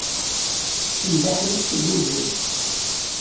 Kemm d aḥric seg wugur.